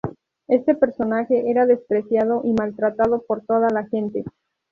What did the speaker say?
Este personaje era despreciado y maltratado por toda la gente.